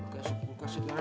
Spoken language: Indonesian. masuk kulkas sekarang